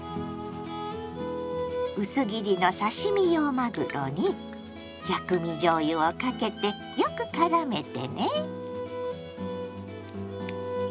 薄切りの刺身用まぐろに「薬味じょうゆ」をかけてよくからめてね。